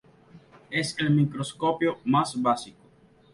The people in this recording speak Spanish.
Es el microscopio más básico.